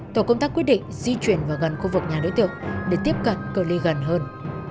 tổ công tác quyết định di chuyển vào gần khu vực nhà đối tượng để tiếp cận cơ ly gần hơn